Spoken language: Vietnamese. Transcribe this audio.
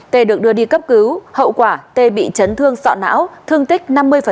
t được đưa đi cấp cứu hậu quả tê bị chấn thương sọ não thương tích năm mươi